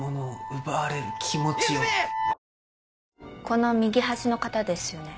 この右端の方ですよね？